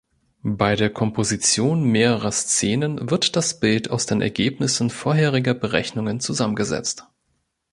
Bei der Komposition mehrerer Szenen wird das Bild aus den Ergebnissen vorheriger Berechnungen zusammengesetzt.